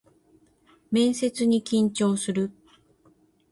面接に緊張する